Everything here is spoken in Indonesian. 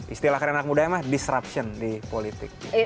istilah karena anak muda emang disruption di politik